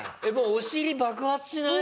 お尻爆発しない？